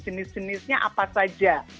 jenis jenisnya apa saja